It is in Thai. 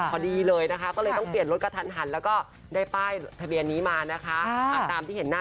เหมือนทะเบียนเกินอย่างนี้